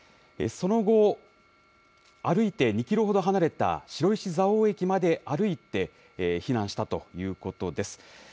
その後、歩いて２キロほど離れた白石蔵王駅まで歩いて避難したということです。